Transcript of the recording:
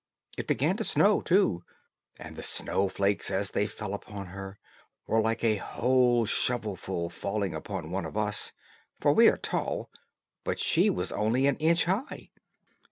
It began to snow too; and the snow flakes, as they fell upon her, were like a whole shovelful falling upon one of us, for we are tall, but she was only an inch high.